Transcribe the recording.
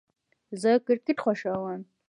زه کرکټ خوښوم